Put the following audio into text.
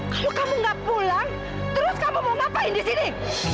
kalau kamu gak pulang terus kamu mau ngapain di sini